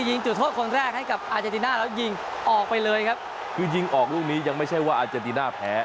ยิงจุดโทษคนแรกให้กับอาเจติน่าแล้วยิงออกไปเลยครับคือยิงออกลูกนี้ยังไม่ใช่ว่าอาเจนติน่าแพ้